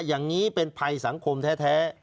อย่างนี้เป็นภัยสังคมแท้